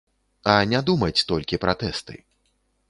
А не думаць толькі пра тэсты.